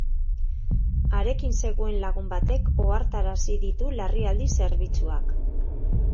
Harekin zegoen lagun batek ohartarazi ditu larrialdi zerbitzuak.